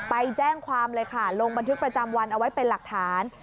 ไปแจ้งความเลยค่ะลงบันทึกประจำวันเอาไว้เป็นหลักฐาน